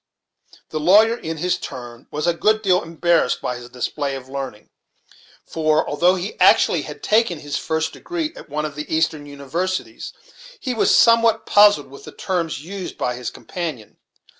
The lawyer in his turn was a good deal embarrassed by this display of learning; for, although he actually had taken his first degree at one of the eastern universities, he was somewhat puzzled with the terms used by his companion.